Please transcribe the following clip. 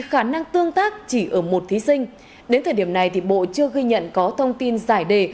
khả năng tương tác chỉ ở một thí sinh đến thời điểm này thì bộ chưa ghi nhận có thông tin giải đề